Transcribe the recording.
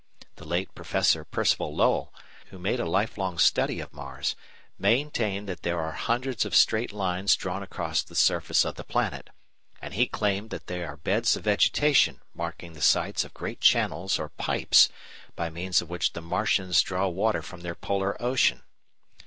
The late Professor Percival Lowell, who made a lifelong study of Mars, maintained that there are hundreds of straight lines drawn across the surface of the planet, and he claimed that they are beds of vegetation marking the sites of great channels or pipes by means of which the "Martians" draw water from their polar ocean.